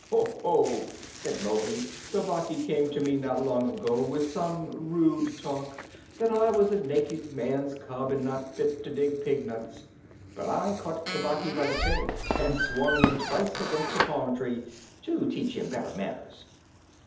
"Ho! ho!" said Mowgli. "Tabaqui came to me not long ago with some rude talk that I was a naked man's cub and not fit to dig pig nuts. But I caught Tabaqui by the tail and swung him twice against a palm tree to teach him better manners."